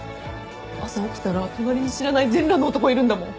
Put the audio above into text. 朝起きたら隣に知らない全裸の男いるんだもん。